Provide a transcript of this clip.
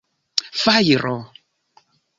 fajro